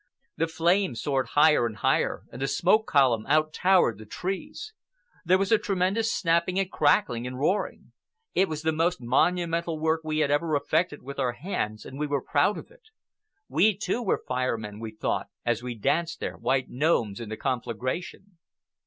The flames soared higher and higher, and the smoke column out towered the trees. There was a tremendous snapping and crackling and roaring. It was the most monumental work we had ever effected with our hands, and we were proud of it. We, too, were Fire Men, we thought, as we danced there, white gnomes in the conflagration.